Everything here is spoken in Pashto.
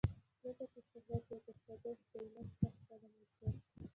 ځکه چې شهرت یو تصادف دی نه ستا خپله ملکیت.